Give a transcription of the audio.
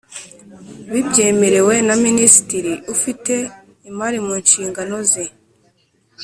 bibyemerewe na Minisitiri ufite imari mu nshingano ze